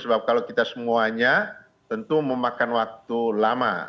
sebab kalau kita semuanya tentu memakan waktu lama